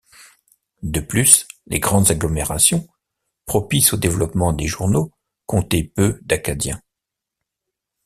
De plus, les grandes agglomérations, propices au développement des journaux, comptaient peu d'Acadiens.